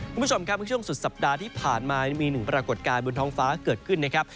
คุณผู้ชมครับเมื่อช่วงสุดสัปดาห์ที่ผ่านมามีหนึ่งปรากฏการณ์บนท้องฟ้าเกิดขึ้นนะครับ